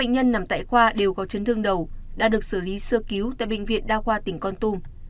một bệnh nhân nằm tại khoa đều có chấn thương đầu đã được xử lý sơ cứu tại bệnh viện đa khoa tỉnh con tum